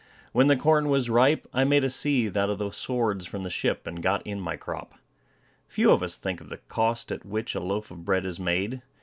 When the corn was ripe, I made a scythe out of the swords from the ship, and got in my crop. Few of us think of the cost at which a loaf of bread is made.